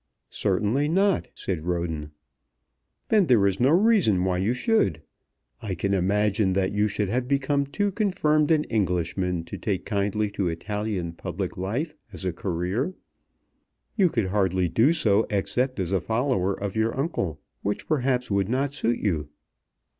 "Certainly not," said Roden. "There is no reason why you should. I can imagine that you should have become too confirmed an Englishman to take kindly to Italian public life as a career. You could hardly do so except as a follower of your uncle, which perhaps would not suit you."